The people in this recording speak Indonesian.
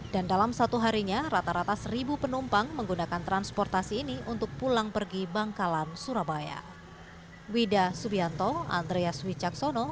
dan dalam satu harinya rata rata seribu penumpang menggunakan transportasi ini untuk pulang pergi bangkalan